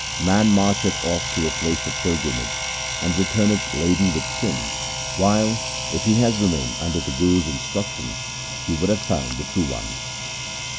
Man marcheth off to a place of pilgrimage and returneth laden with sin, while, if he had remained under the Guru's instruction, he would have found the True One.